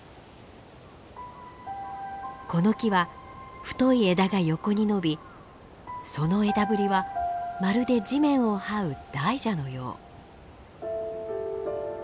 この木は太い枝が横に伸びその枝ぶりはまるで地面をはう大蛇のよう。